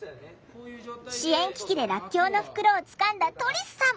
支援機器でらっきょうの袋をつかんだトリスさん。